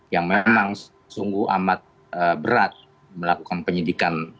yang memang sungguh amat berat melakukan penyidikan